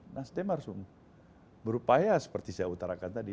nasdem harus berupaya seperti saya utarakan tadi